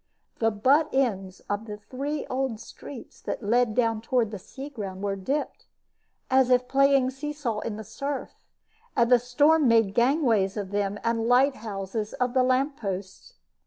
The butt ends of the three old streets that led down toward the sea ground were dipped, as if playing seesaw in the surf, and the storm made gangways of them and lighthouses of the lamp posts.